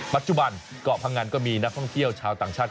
เกาะพังงันก็มีนักท่องเที่ยวชาวต่างชาติ